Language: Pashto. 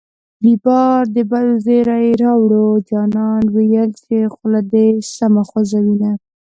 ریبار د بدو زېری راووړـــ جانان ویل چې خوله دې سمه خوزوینه